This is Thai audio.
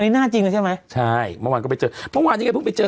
หน้าจริงเลยใช่ไหมใช่เมื่อวานก็ไปเจอเมื่อวานนี้ก็เพิ่งไปเจอ